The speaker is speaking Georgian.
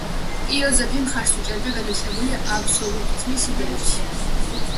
იოზეფი მხარს უჭერდა განათლებული აბსოლუტიზმის იდეებს.